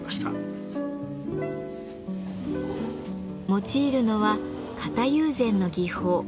用いるのは型友禅の技法。